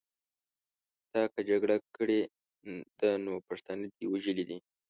تا که جګړه کړې ده نو پښتانه دې وژلي دي.